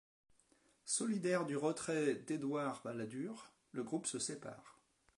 Solidaires du retrait d'Édouard Balladur, le groupe se sépare.